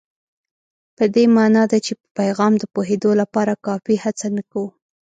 په دې مانا ده چې په پیغام د پوهېدو لپاره کافي هڅه نه کوو.